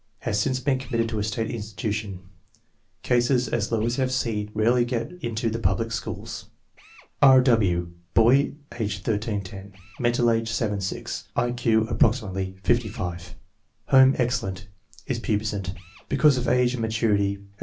Has since been committed to a slate insti tution. Cases as low as F. C. very rarely get into the public schools. 72. W. Boy, age 13 10; mental age 7 6; I Q approximately 55. Home excellent. Is pubescent. Because of age and maturity has Fro.